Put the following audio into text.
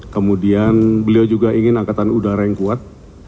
kemudian beliau juga ingin angkatan udara yang kuat